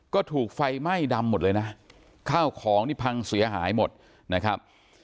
ก็ถูกไฟไหม้ดำหมดเลยนะข้าวของนี่พังเสียหายหมดนะครับ